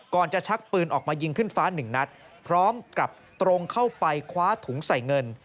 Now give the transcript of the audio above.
จะชักปืนออกมายิงขึ้นฟ้าหนึ่งนัดพร้อมกับตรงเข้าไปคว้าถุงใส่เงิน